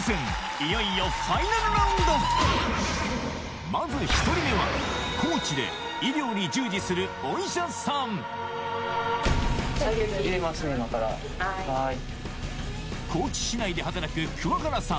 いよいよまず１人目は高知で医療に従事するお医者さん高知市内で働く桑原さん